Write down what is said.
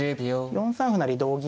４三歩成同銀